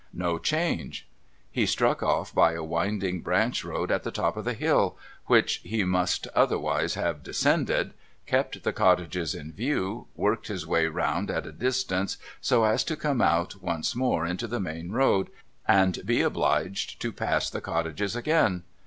No change. He struck off by a winding branch road at the top of the hill— which he must otherwise have descended — kept the cottages in view, worked his way round at a distance so as to come out once more into the main road, and be obliged to pass the cottages again.